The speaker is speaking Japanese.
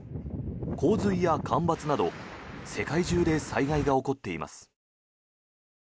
洪水や干ばつなど世界中で災害が起こっています。